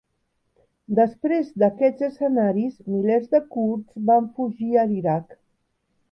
Després d'aquests escenaris, milers de kurds van fugir a l'Iraq.